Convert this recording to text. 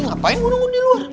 ngapain gue nunggu di luar